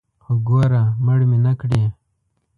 خو ګوره مړ مې نکړې.